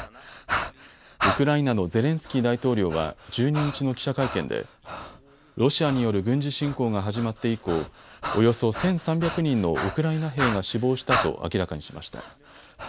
ウクライナのゼレンスキー大統領は１２日の記者会見でロシアによる軍事侵攻が始まって以降、およそ１３００人のウクライナ兵が死亡したと明らかにしました。